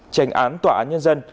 tránh án tòa án nhân dân